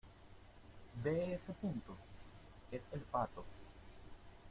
¿ ve ese punto? es el pato.